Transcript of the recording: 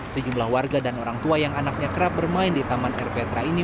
sejumlah warga dan orang tua yang anaknya kerap bermain di taman erpetra ini